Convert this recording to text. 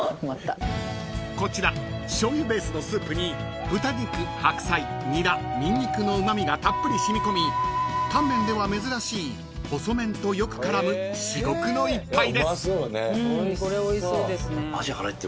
［こちらしょうゆベースのスープに豚肉白菜ニラニンニクのうま味がたっぷり染み込みたんめんでは珍しい細麺とよく絡む至極の一杯です］